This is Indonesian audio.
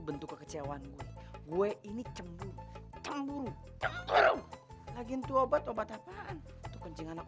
bentuk kekecewaan gue ini cemburu cemburu cemburu lagi obat obat apaan itu kencing anak